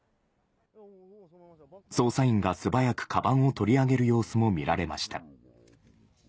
捜査員が素早くかばんを取り上げる様子も見られました。